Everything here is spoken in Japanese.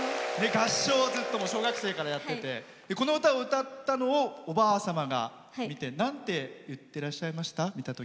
合唱をずっと小学生からやっててこの歌を歌ったのをおばあ様が見てなんて言ってらっしゃいました？